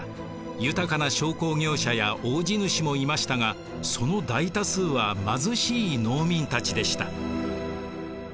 豊かな商工業者や大地主もいましたがその大多数は貧しい農民たちでした。